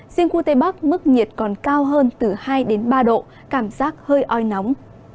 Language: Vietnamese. riêng khu tây bắc mức nhiệt còn cao hơn từ hai ba độ cảm giác hơi oi nóng